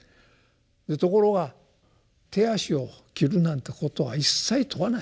ところが手足を切るなんてことは一切問わない。